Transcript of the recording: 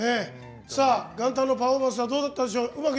元旦のパフォーマンスはどうだったでしょう。